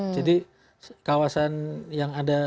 jadi kawasan yang ada